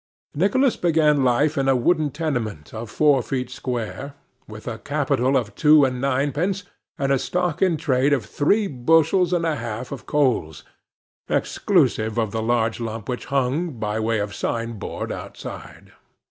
Nicholas began life in a wooden tenement of four feet square, with a capital of two and ninepence, and a stock in trade of three bushels and a half of coals, exclusive of the large lump which hung, by way of sign board, outside.